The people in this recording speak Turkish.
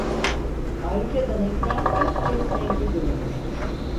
Ayrıca Dalekler ilk kez renkli görünmüştür.